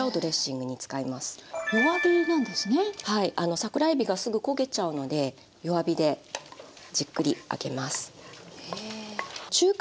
桜えびがすぐ焦げちゃうので弱火でじっくり揚げます。